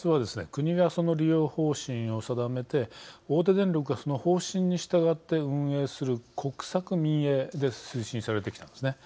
国がその利用方針を定めて大手電力がその方針に従って運営する国策民営で推進されてきたんですね。